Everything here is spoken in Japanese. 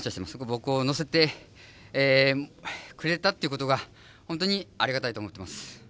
僕を乗せてくれたっていうことが本当にありがたいと思っています。